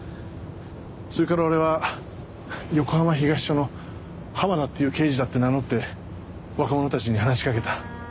それから俺は横浜東署の浜田っていう刑事だって名乗って若者たちに話しかけた。